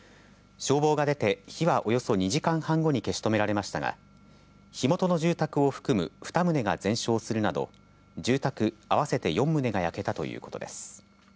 消防が出て火はおよそ２時間半後に消し止められましたが火元の住宅を含む２棟が全焼するなど住宅合わせて４棟が焼けたということです。